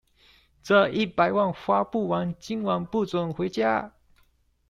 這一百萬花不完，今晚不准回家